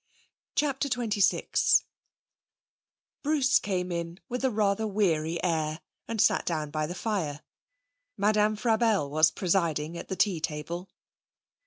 CHAPTER XXVI Bruce came in with a rather weary air, and sat down by the fire. Madame Frabelle was presiding at the tea table.